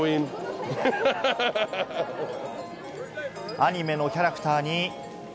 アニメのキャラクターに。